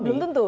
oh belum tentu